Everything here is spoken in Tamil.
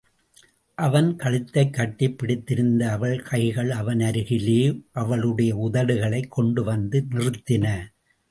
அவன் கழுத்தைக்கட்டிப் பிடித்திருந்த அவள் கைகள் அவனுக்கருகிலே அவளுடைய உதடுகளைக் கொண்டுவந்து நிறுத்தின.